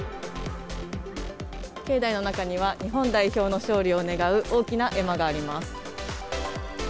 境内の中には、日本代表の勝利を願う大きな絵馬があります。